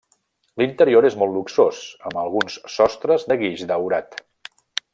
L'interior és molt luxós, amb alguns sostres de guix daurat.